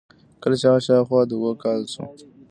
کله چې هغه شاوخوا د اوو کالو شو.